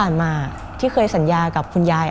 มันกลายเป็นรูปของคนที่กำลังขโมยคิ้วแล้วก็ร้องไห้อยู่